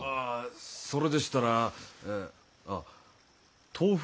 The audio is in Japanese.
それでしたらあっ豆腐